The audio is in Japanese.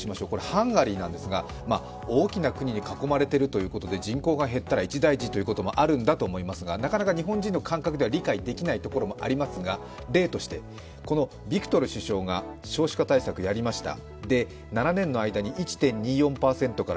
ハンガリーなんですが、大きな国に囲まれているということで人口が減ったら一大事というとこもあるんでしょうが、なかなか日本人の感覚では理解できないところもありますが、例として、このヴィクトル首相が少子化対策やりました。